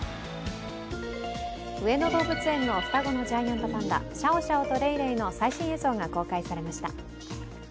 上野動物園の双子のジャイアントパンダ、シャオシャオとレイレイの最新映像が公開されました。